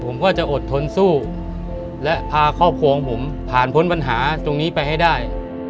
ผมก็จะอดทนสู้และพาครอบครัวของผมผ่านพ้นปัญหาตรงนี้ไปให้ได้